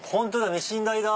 ミシン台だ。